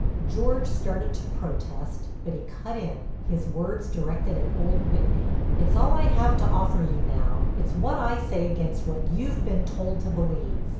George started to protest, but he cut in, his words directed at old Whitney: "It's all I have to offer you now. It's what I say against what you've been told to believe.